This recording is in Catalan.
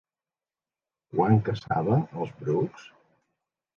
Quan caçava als brucs?